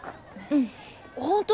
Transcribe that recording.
うん。